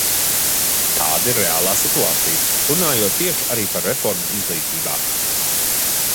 Tāda ir reālā situācija, runājot tieši arī par reformu izglītībā.